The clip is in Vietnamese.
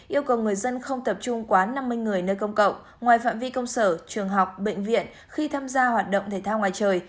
yêu cầu người dân không tập trung quá năm mươi người nơi công cộng ngoài phạm vi công sở trường học bệnh viện khi tham gia hoạt động thể thao ngoài trời